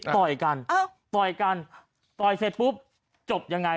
ต่อยกันต่อยกันต่อยเสร็จปุ๊บจบยังไง